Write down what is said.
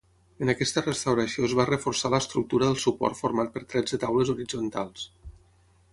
En aquesta restauració es va reforçar l'estructura del suport format per tretze taules horitzontals.